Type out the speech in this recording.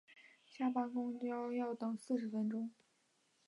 下班公车要等四十分钟